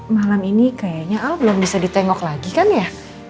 malam ini kayaknya al belum bisa ditengok lagi kan ya